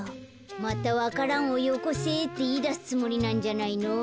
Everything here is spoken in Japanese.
またわか蘭をよこせっていいだすつもりなんじゃないの。